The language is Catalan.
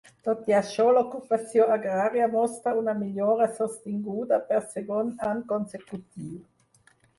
Tot i això, l'ocupació agrària mostra una millora sostinguda per segon any consecutiu.